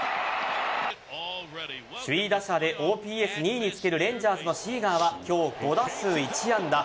首位打者でＯＰＳ２位につけるレンジャーズのシーガーは今日、５打数１安打。